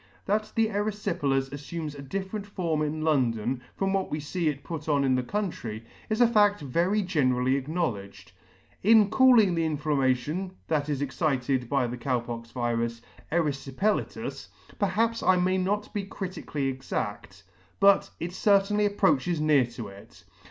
That the eryfi pelas affumes a different form in London from what we fee it put on in the country, is a fadt very generally acknowledged. In calling the inflammation, that is excited by the Cow pox virus, eryfipelatous, perhaps I may not be critically exadt, but it certainly approaches near to it.